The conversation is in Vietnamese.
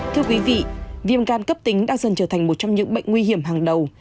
thưa quý vị viêm gan cấp tính đang dần trở thành một trong những bệnh nguy hiểm hàng đầu